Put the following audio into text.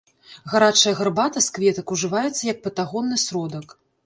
Гарачая гарбата з кветак ужываецца як патагонны сродак.